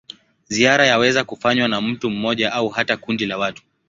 Ziara yaweza kufanywa na mtu mmoja au hata kundi la watu.